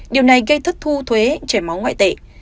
điều này gây thất thu thuế chảy máu ngoại tệ